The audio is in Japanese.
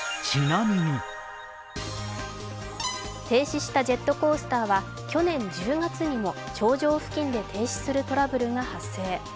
停止したジェットコースターは去年１２月にも頂上付近で停止するトラブルが発生。